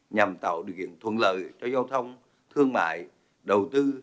nhằm tạo điều kiện thuận lợi cho giao thông thương mại đầu tư